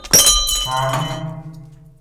سا ریاں